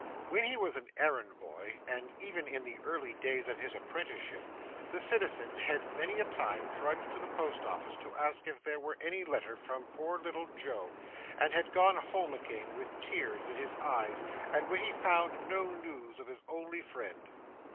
When he was an errand boy, and even in the early days of his apprenticeship, the citizen had many a time trudged to the Post office to ask if there were any letter from poor little Joe, and had gone home again with tears in his eyes, when he found no news of his only friend.